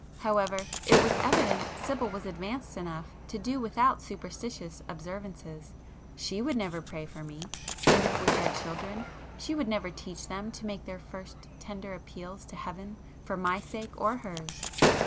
However, it was evident Sibyl was 'advanced' enough to do without superstitious observances; she would never pray for me;—and if we had children, she would never teach them to make their first tender appeals to Heaven for my sake or hers.